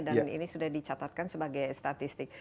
dan ini sudah dicatatkan sebagai statistik